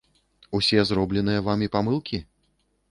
Усе зробленыя вамі памылкі?